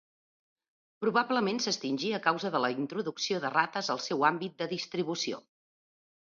Probablement s'extingí a causa de la introducció de rates al seu àmbit de distribució.